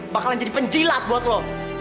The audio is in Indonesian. bakalan jadi penjilat buat lo